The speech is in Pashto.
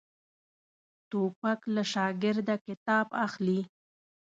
توپک له شاګرده کتاب اخلي.